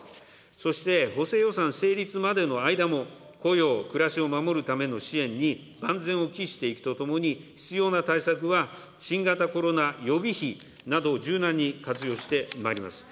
そして補正予算成立までの間も、雇用、暮らしを守るための支援に万全を期していくとともに、必要な対策は新型コロナ予備費などを柔軟に活用してまいります。